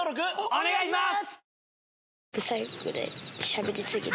お願いします。